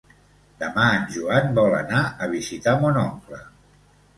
Demà en Joan vol anar a visitar mon oncle.